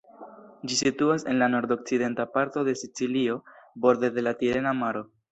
Ĝi situas en la nordokcidenta parto de Sicilio, borde de la Tirena Maro.